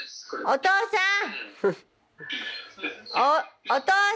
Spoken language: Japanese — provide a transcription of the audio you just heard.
お父さん。